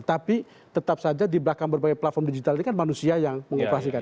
tapi tetap saja di belakang berbagai platform digital ini kan manusia yang mengoperasikan